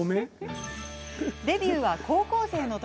デビューは高校生の時。